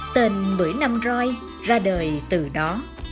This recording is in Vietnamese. tên bưởi năm roi ra đời từ đó